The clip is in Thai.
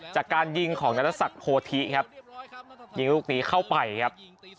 จากการยิงของนรสักโพธิครับยิงลูกนี้เข้าไปครับ